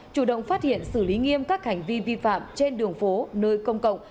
chủ động phát hiện xử lý nghiêm các hành vi vi phạm trên đường phố nơi công cộng